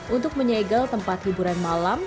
untuk menyegel tempat hiburan malam